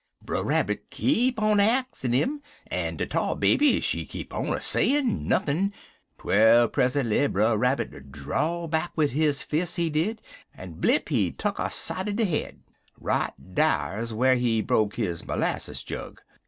"Brer Rabbit keep on axin' 'im, en de Tar Baby, she keep on sayin' nothin', twel present'y Brer Rabbit draw back wid his fis', he did, en blip he tuck 'er side er de head. Right dar's whar he broke his merlasses jug.